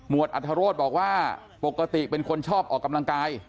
อัธโรธบอกว่าปกติเป็นคนชอบออกกำลังกาย